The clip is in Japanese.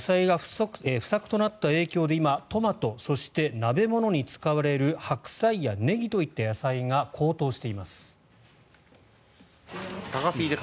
猛暑で野菜が不作となった影響で今、トマトそして鍋物に使われる白菜やネギといった野菜が高騰しています。